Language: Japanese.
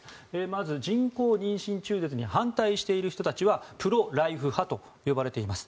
まず、人工妊娠中絶に反対している人たちはプロ・ライフ派と呼ばれています。